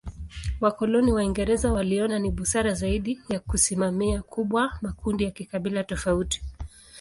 Wakoloni Waingereza waliona ni busara zaidi ya kusimamia kubwa makundi ya kikabila tofauti.